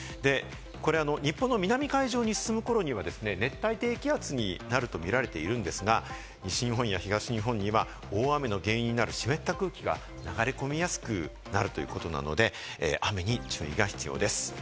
これ、日本の南海上に進む頃には熱帯低気圧になると見られているんですが、西日本や東日本には大雨の原因になる湿った空気が流れ込みやすくなるということなので、雨に注意が必要です。